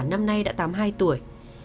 năm nay đã tám mươi hai tuổi